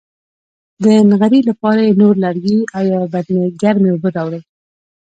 د نغري لپاره یې نور لرګي او یوه بدنۍ ګرمې اوبه راوړې.